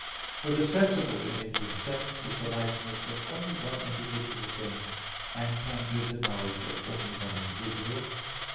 For the sensible image in sense is the likeness of only one individual thing, and can give the knowledge of only one individual.